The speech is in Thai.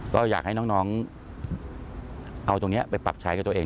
ก็อยากให้น้องเอาตรงนี้ไปปรับใช้กับตัวเอง